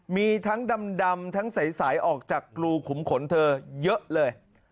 มีทั้งดำทั้งใสออกจากกรูขุมขนเธอเยอะเลย